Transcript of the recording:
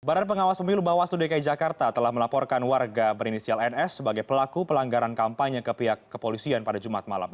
badan pengawas pemilu bawaslu dki jakarta telah melaporkan warga berinisial ns sebagai pelaku pelanggaran kampanye ke pihak kepolisian pada jumat malam